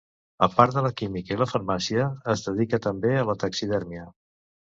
A part de la química i la farmàcia, es dedicà també a la taxidèrmia.